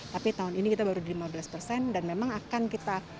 tapi tahun ini kita baru lima belas persen dan memang akan kita